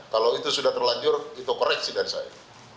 kalau itu sudah terlanjur itu koreksi dari saya